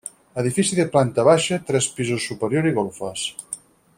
Edifici de planta baixa, tres pisos superior i golfes.